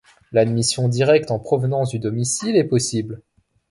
L'admission directe en provenance du domicile est possible.